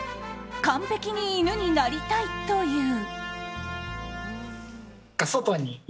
完璧に犬になりたいという。